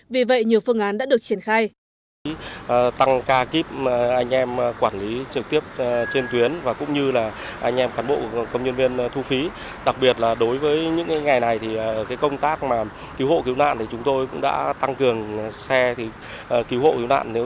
vì vậy nhiều phương án đã được triển khai